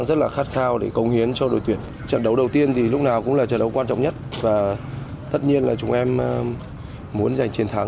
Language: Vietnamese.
sẽ là sự bổ sung chất lượng trên hàng tấn công